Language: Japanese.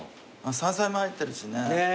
山菜も入ってるしね。ねぇ。